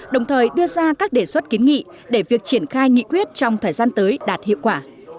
đồng thời đưa ra các đề xuất kiến nghị để việc triển khai nghị quyết trong thời gian tới đạt hiệu quả